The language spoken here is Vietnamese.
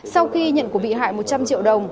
sau khi nhận của bị hại một trăm linh triệu đồng